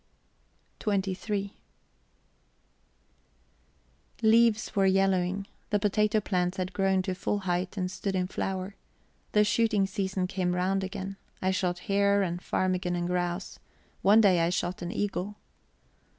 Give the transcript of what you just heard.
XXIII Leaves were yellowing; the potato plants had grown to full height and stood in flower; the shooting season came round again; I shot hare and ptarmigan and grouse; one day I shot an eagle.